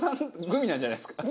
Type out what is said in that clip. グミなんじゃないですか？